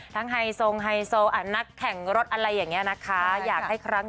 ไฮโซไฮโซนักแข่งรถอะไรอย่างนี้นะคะอยากให้ครั้ง